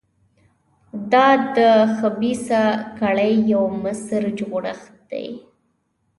دا د خبیثه کړۍ یو مضر جوړښت دی.